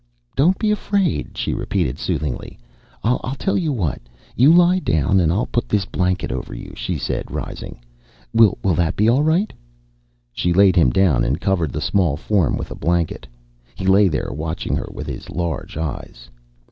"Don't be afraid," she repeated soothingly. "I'll tell you what. You lie down and I'll put this blanket over you," she said, rising. "Will that be all right?" She laid him down and covered the small form with a blanket. He lay there watching her with his large eyes.